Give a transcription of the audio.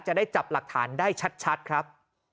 จะได้จับหลักฐานได้ชัดครับ